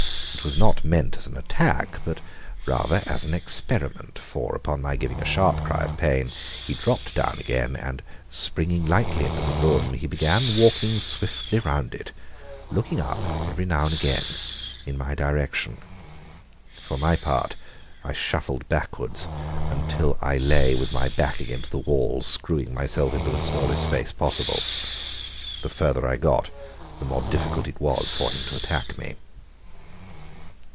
It was not meant as an attack, but rather as an experiment, for upon my giving a sharp cry of pain he dropped down again, and springing lightly into the room, he began walking swiftly round it, looking up every now and again in my direction. For my part I shuffled backwards until I lay with my back against the wall, screwing myself into the smallest space possible. The farther I got the more difficult it was for him to attack me.